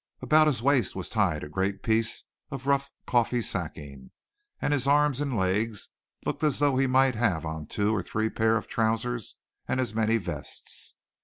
About his waist was tied a great piece of rough coffee sacking and his arms and legs looked as though he might have on two or three pairs of trousers and as many vests.